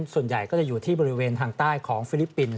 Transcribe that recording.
ส่วนใหญ่ก็จะอยู่ที่บริเวณทางใต้ของฟิลิปปินส์